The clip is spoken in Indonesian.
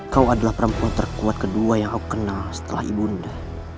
kau adalah perempuan terkuat kedua yang aku kenal setelah ibunda